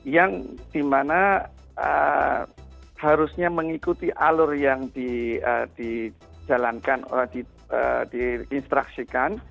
yang dimana harusnya mengikuti alur yang dijalankan atau di instruksikan